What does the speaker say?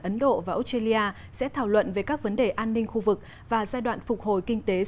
ấn độ và australia sẽ thảo luận về các vấn đề an ninh khu vực và giai đoạn phục hồi kinh tế